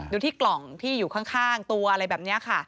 ดูที่กล่องที่อยู่ข้างตัวอะไรแบบนี้ค่ะ